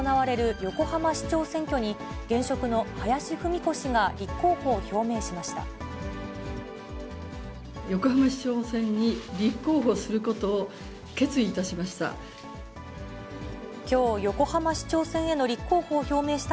横浜市長選に立候補することを決意いたしました。